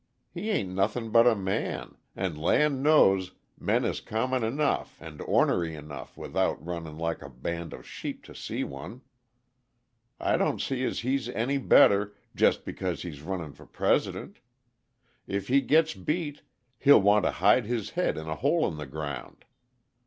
He ain't nothing but a man and, land knows, men is common enough, and ornery enough, without runnin' like a band of sheep to see one. I don't see as he's any better, jest because he's runnin' for President; if he gits beat, he'll want to hide his head in a hole in the ground.